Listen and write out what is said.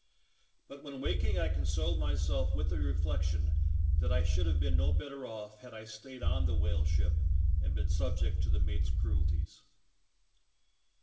But when waking I consoled myself with the reflection that I should have been no better off had I staid on the whale ship and been subject to the mate's cruel ties.